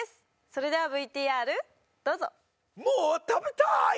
それではＶＴＲどうぞもう食べたい！